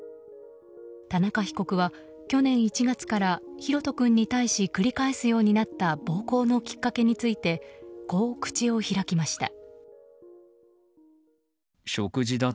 田中被告は去年１月から大翔君に対し繰り返すようになった暴行のきっかけについてこう口を開きました。